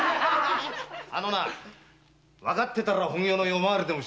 あのなわかってたら本業の夜廻りでもしてこい。